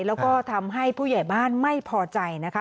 แล้วก็ทำให้ผู้ใหญ่บ้านไม่พอใจนะคะ